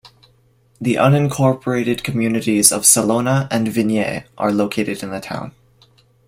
The unincorporated communities of Salona, and Vignes are located in the town.